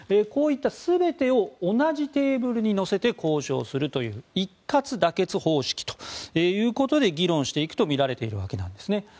こういった全てを同じテーブルに載せて交渉するという一括妥結方式ということで議論していくとみられています。